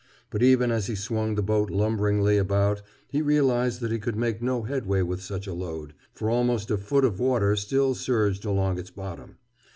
But even as he swung the boat lumberingly about he realized that he could make no headway with such a load, for almost a foot of water still surged along its bottom.